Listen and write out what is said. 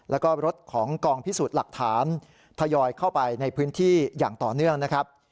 แล้วก็รถของกองพิสูจน์หลักฐานทยอยเข้าไปในพื้นที่อย่างต่อเนื่องนะครับ